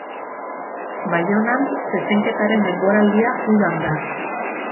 Baionan zezenketaren denboraldia udan da.